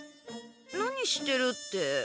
何してるって。